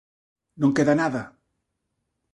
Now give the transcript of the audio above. Non queda nada.